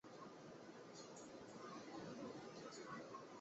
义坛县是越南乂安省下辖的一个县。